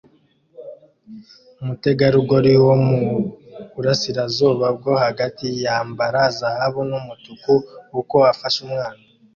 Umutegarugori wo mu burasirazuba bwo hagati yambara Zahabu n'umutuku uko afashe umwana